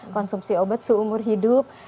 konsumsi obat seumur hidup